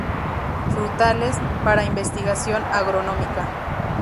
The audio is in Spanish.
Frutales: para investigación agronómica.